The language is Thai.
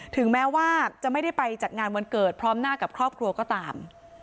ถึงแม้ว่าจะไม่ได้ไปจัดงานวันเกิดพร้อมหน้ากับครอบครัวก็ตาม